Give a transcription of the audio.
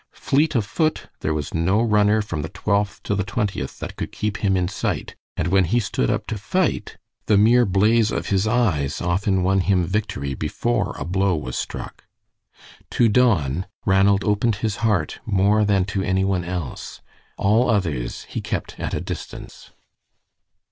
Fleet of foot, there was no runner from the Twelfth to the Twentieth that could keep him in sight, and when he stood up to fight, the mere blaze of his eyes often won him victory before a blow was struck. To Don, Ranald opened his heart more than to any one else; all others he kept at a distance.